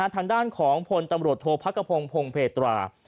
ทางด้านของพลตำรวจโทษพระกระพงพงเพตรา